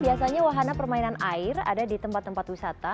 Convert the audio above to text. biasanya wahana permainan air ada di tempat tempat wisata